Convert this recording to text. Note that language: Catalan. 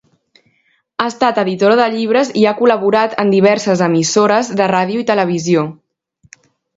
Ha estat editora de llibres i ha col·laborat en diverses emissores de ràdio i televisió.